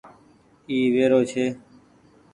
اي ويرو ڇي۔